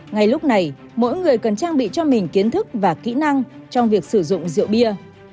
ngay lúc này mỗi người cần trang bị cho mình kiến thức và kỹ năng trong việc sử dụng rượu bia